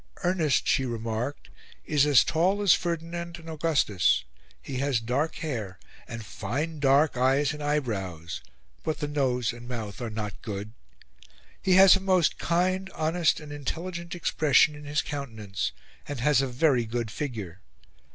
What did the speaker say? "Ernest," she remarked, "is as tall as Ferdinand and Augustus; he has dark hair, and fine dark eyes and eyebrows, but the nose and mouth are not good; he has a most kind, honest, and intelligent expression in his countenance, and has a very good figure.